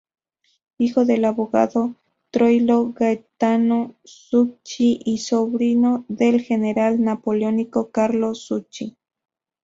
Hijo del abogado Troilo Gaetano Zucchi y sobrino del general napoleónico Carlo Zucchi.